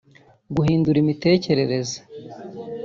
guhindura imitekerereze